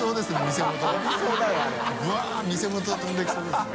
店ごと飛んでいきそうですね。